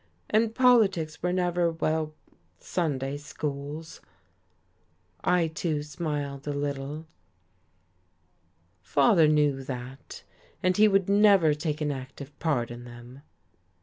And politics were never well Sunday schools." I, too, smiled a little. "Father knew that. And he would never take an active part in them."